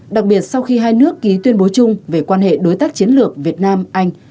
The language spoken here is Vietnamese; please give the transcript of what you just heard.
đặc biệt sau khi hai nước ký tuyên bố chung về quan hệ đối tác chiến lược việt nam anh